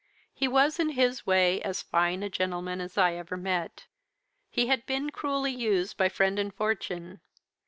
He was, in his way, as fine a gentleman as I ever met. He had been cruelly used by friend and fortune.